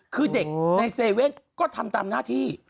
คือเด็กใน๗๑๑ก็ทำตามหน้าที่